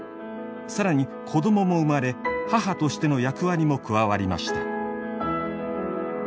更に子どもも生まれ母としての役割も加わりました。